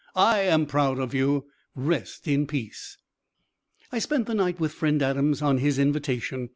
I am proud of you. Rest in peace." I spent the night with friend Adams, on his invitation.